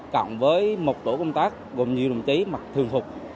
cộng với một tổ công tác gồm nhiều đồng chí mặc thường phục